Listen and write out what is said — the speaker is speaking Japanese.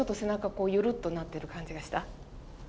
こうゆるっとなってる感じがした？